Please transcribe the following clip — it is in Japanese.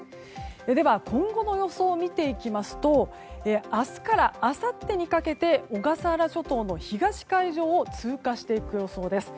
では、今後の予想を見ていきますと明日からあさってにかけて小笠原諸島の東海上を通過していく予想です。